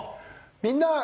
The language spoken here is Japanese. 「みんな！